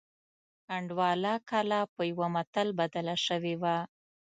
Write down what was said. کنډواله کلا په یوه متل بدله شوې وه.